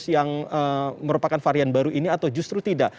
bisa menangkal virus yang merupakan varian baru ini atau justru tidak